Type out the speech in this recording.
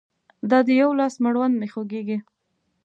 د دا يوه لاس مړوند مې خوږيږي